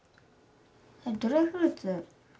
ドライフルーツ。